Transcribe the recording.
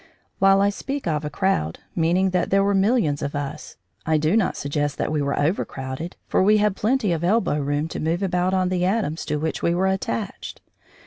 While I speak of a crowd, meaning that there were millions of us, I do not suggest that we were overcrowded, for we had plenty of elbow room to move about on the atoms to which we were attached.